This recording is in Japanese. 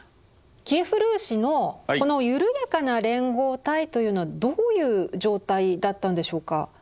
キエフ・ルーシのこの緩やかな連合体というのはどういう状態だったんでしょうか？